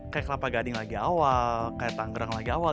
kayak kelapa gading lagi awal kayak tanggerang lagi awal